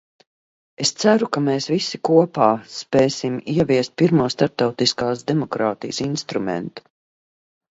Es ceru, ka mēs visi kopā spēsim ieviest pirmo starptautiskas demokrātijas instrumentu.